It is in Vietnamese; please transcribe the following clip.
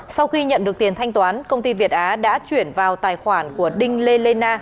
sau khi nhận được tiền thanh toán công ty việt á đã chuyển vào tài khoản của đinh lê lê na